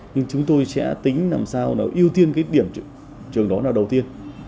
nhưng chúng tôi sẽ tính làm sao nào ưu tiên cái điểm trường đó là đầu tiên